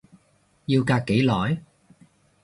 要隔幾耐？